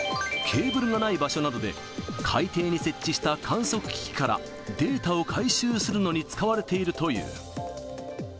ケーブルがない場所などで、海底に設置した観測機器からデータを回収するのに使われているという。